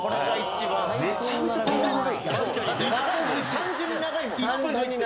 単純に長いもんな。